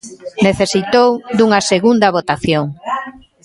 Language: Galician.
Necesitou dunha segunda votación.